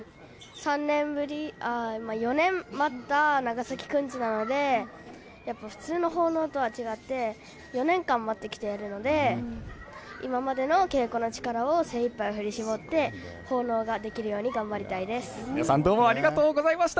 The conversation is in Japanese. ３年ぶり、まあ、４年待った長崎くんちなので、やっぱ普通の奉納とは違って、４年間待ってきてやるので、今までの稽古の力を精いっぱい振り絞って、奉納ができるように頑皆さん、どうもありがとうございました。